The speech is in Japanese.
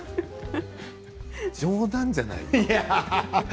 冗談じゃない。